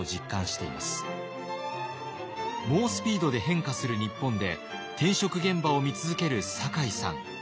猛スピードで変化する日本で転職現場を見続ける酒井さん。